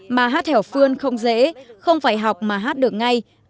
mà hát hèo phương không dễ không phải học mà hát được ngay